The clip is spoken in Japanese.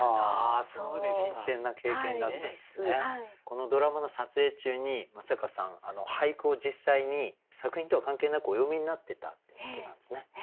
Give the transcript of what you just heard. このドラマの撮影中に松坂さん俳句を実際に作品とは関係なくお詠みになってたってことなんですね。